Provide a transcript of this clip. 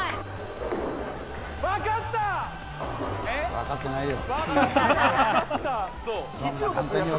わかってないよ。